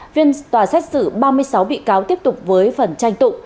viên tòa xét xử ba mươi sáu bị cáo tiếp tục với phần tranh tụng